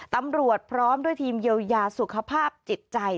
พร้อมด้วยทีมเยียวยาสุขภาพจิตใจ